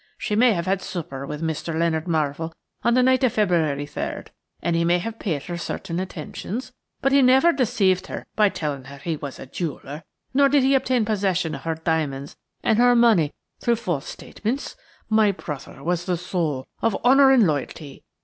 She may have had supper with Mr. Leonard Marvell on the night of February 3rd, and he may have paid her certain attentions; but he never deceived her by telling her that he was a jeweller, nor did he obtain possession of her diamonds and her money through false statements. My brother was the soul of honour and loyalty.